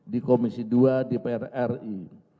di komisi dua dpr ri